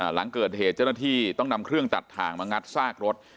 หลังเกิดเหตุเจ้าหน้าที่ต้องนำเครื่องตัดถ่างมางัดซากรถ